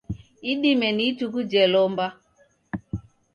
Idime ni ituku jhe lomba.